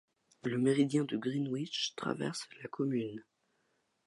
Le méridien de Greenwich traverse la commune.